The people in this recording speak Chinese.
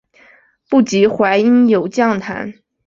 不及淮阴有将坛。